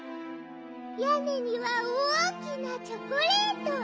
やねにはおおきなチョコレート！